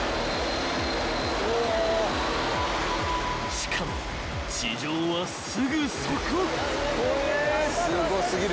［しかも地上はすぐそこ］